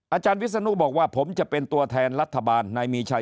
อาจารย์วิศนุบอกว่าผมจะเป็นตัวแทนรัฐบาลนายมีชัย